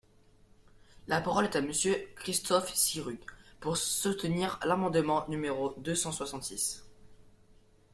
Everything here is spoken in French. La parole est à Monsieur Christophe Sirugue, pour soutenir l’amendement numéro deux cent soixante-six.